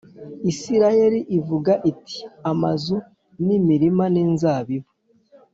Isirayeli ivuga iti Amazu n imirima n inzabibu